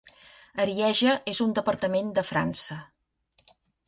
Arieja és un departament de França.